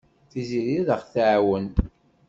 Tiziri ad aɣ-tɛawen.